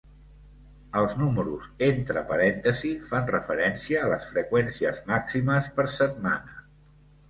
"Els números entre parèntesis fan referència a les freqüències màximes per setmana.